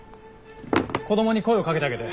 子供に声をかけてあげて。